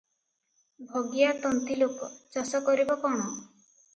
ଭଗିଆ ତନ୍ତୀଲୋକ, ଚାଷ କରିବ କଣ?